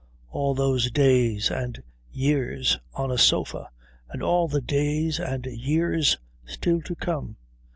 All those days and years on a sofa, and all the days and years still to come....